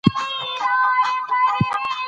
په افغانستان کې د انګور منابع شته.